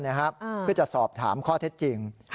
เพื่อจะสอบถามข้อเท็จจริง